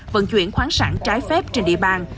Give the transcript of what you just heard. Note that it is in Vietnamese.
vận chuyển khoáng sản trái phép trên địa bàn